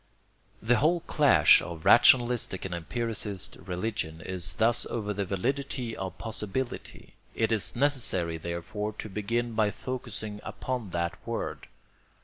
The whole clash of rationalistic and empiricist religion is thus over the validity of possibility. It is necessary therefore to begin by focusing upon that word.